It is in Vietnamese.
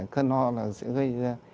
cơn ho là sẽ gây ra